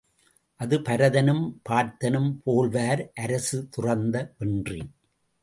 அது பரதனும் பார்த்தனும் போல்வார் அரசு துறந்த வென்றி.